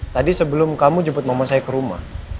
tadi sebelum kamu jemput mama saya kerumah